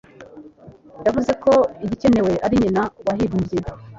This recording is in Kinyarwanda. Yavuze ko igikenewe ari nyina wahimbye.